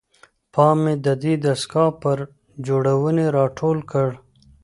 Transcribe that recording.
پام مې ددې دستګاه پر جوړونې راټول کړ.